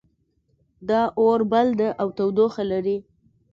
دا اور بل ده او تودوخه لري